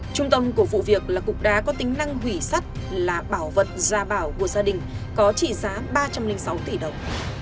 trung tâm của vụ việc là cục đá có tính năng hủy sắt là bảo vật gia bảo của gia đình có trị giá ba trăm linh sáu tỷ đồng